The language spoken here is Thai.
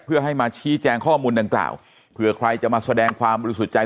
เพื่อให้มาชี้แจงข้อมูลดังกล่าวเผื่อใครจะมาแสดงความบริสุทธิ์ใจ